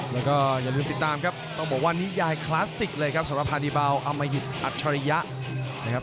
แล้วก็อย่าลืมติดตามครับต้องบอกว่านิยายคลาสสิกเลยครับสำหรับพาดีเบาอมหิตอัจฉริยะนะครับ